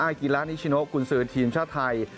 อากิราตนิชชิโนกุลสื่อทีมชาติไทย